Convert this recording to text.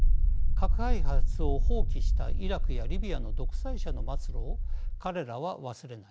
核開発を放棄したイラクやリビアの独裁者の末路を彼らは忘れない。